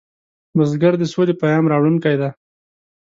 بزګر د سولې پیام راوړونکی دی